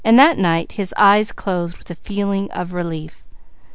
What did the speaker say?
That night his eyes closed with a feeling of relief.